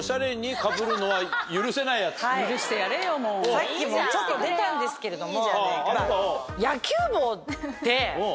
さっきもちょっと出たんですけれども。